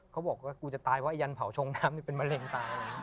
เขาบอกว่ากูจะตายเพราะยันเผาชงน้ำนี่เป็นมะเร็งตาย